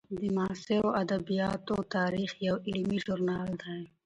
د معاصرو ادبیاتو تاریخ یو علمي ژورنال دی.